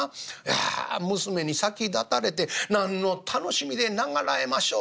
『ああ娘に先立たれて何の楽しみで永らえましょう。